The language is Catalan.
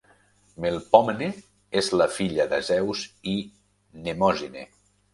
Melpòmene és la filla de Zeus i Mnemòsine.